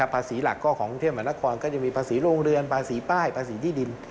ภาษีหลักก็ของกรุงเทพมหานครก็จะมีภาษีโรงเรือนภาษีป้ายภาษีที่ดิน